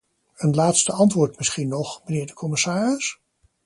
Een laatste antwoord misschien nog, mijnheer de commissaris?